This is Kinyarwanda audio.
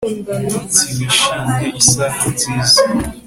Umunsi Wishimye Isaha Nziza